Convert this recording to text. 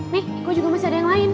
nih gue juga masih ada yang lain